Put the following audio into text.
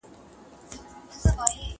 کوچنۍ سياستپوهنه د سياسي رژيم چارې څېړي.